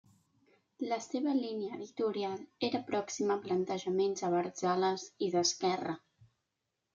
La seva línia editorial era pròxima a plantejaments abertzales i d'esquerra.